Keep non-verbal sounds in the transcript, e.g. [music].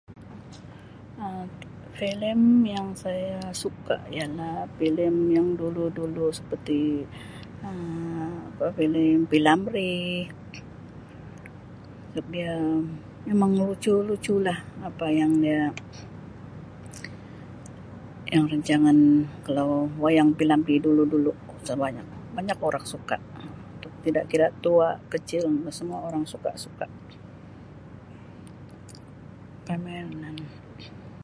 Um felem yang saya suka ialah pelem yang dulu-dulu seperti Um [unintelligible] felem P.Ramlee sebab dia memang lucu-lucu lah apa yang dia yang rancangan kalau wayang P.Ramlee dulu-dulu [unintelligible] banyak, banyak orang suka, tu-tidak kira tua kecil semua orang suka-suka, permainan